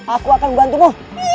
aku akan bantumu